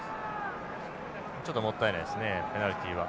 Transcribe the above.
ちょっともったいないですねペナルティは。